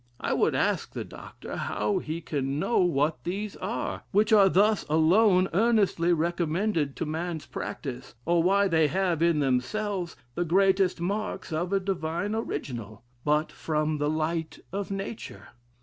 I would ask the Dr., how he can know what these are, which are thus alone earnestly recommended to man's practice; or, why they have, in themselves, the greatest marks of a divine original; but from the light of nature?